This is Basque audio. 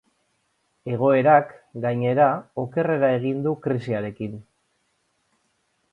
Egoerak, gainera, okerrera egin du krisiarekin.